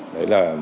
đấy là một